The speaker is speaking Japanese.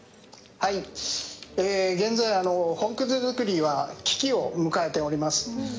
現在、本葛づくりは危機を迎えております。